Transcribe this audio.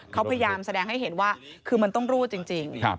เขาพยายามแสดงให้เห็นว่าคือมันต้องรั่วจริง